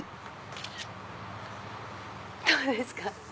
どうですか？